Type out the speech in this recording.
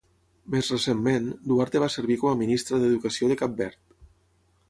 Més recentment, Duarte va servir com a ministra d'Educació de Cap Verd.